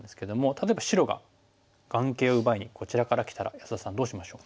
例えば白が眼形を奪いにこちらからきたら安田さんどうしましょう？